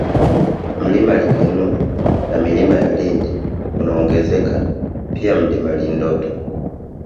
Mlima Likenuli na Milima ya Lindi unaongezeka pia Mlima Lindoto